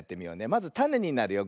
まずたねになるよ。